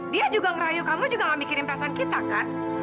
dia juga ngerayu kamu juga gak mikirin perasaan kita kan